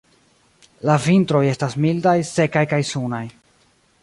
La vintroj estas mildaj, sekaj kaj sunaj.